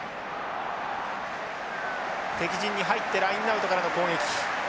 敵陣に入ってラインアウトからの攻撃。